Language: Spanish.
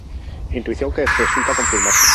Intuición que resulta confirmarse.